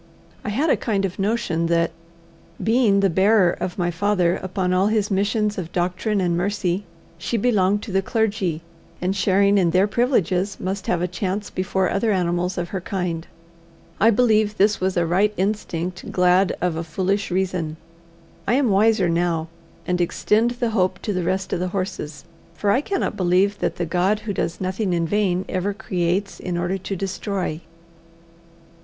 I had a kind of notion that, being the bearer of my father upon all his missions of doctrine and mercy, she belonged to the clergy, and, sharing in their privileges, must have a chance before other animals of her kind. I believe this was a right instinct glad of a foolish reason. I am wiser now, and extend the hope to the rest of the horses, for I cannot believe that the God who does nothing in vain ever creates in order to destroy.